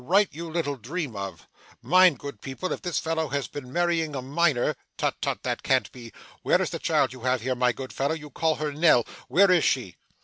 'A right you little dream of. Mind, good people, if this fellow has been marrying a minor tut, tut, that can't be. Where is the child you have here, my good fellow. You call her Nell. Where is she?